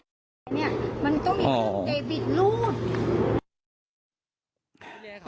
เนี่ยมันต้องมีเวลาเจบิต